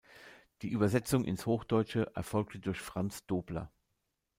Die „Übersetzung“ ins Hochdeutsche erfolgte durch Franz Dobler.